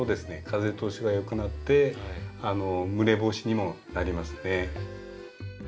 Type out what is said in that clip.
風通しがよくなって蒸れ防止にもなりますね。